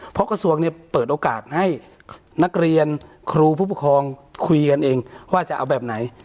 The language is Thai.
เพราะกระทรวงเนี่ยเปิดโอกาสให้นักเรียนครูผู้ปกครองคุยกันเองว่าจะเอาแบบไหน